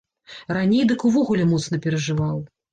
Раней дык увогуле моцна перажываў.